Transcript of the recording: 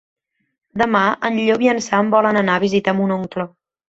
Demà en Llop i en Sam volen anar a visitar mon oncle.